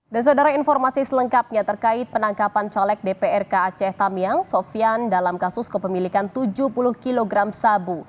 dan saudara informasi selengkapnya terkait penangkapan caleg dprk aceh tam yang sofian dalam kasus kepemilikan tujuh puluh kg sabu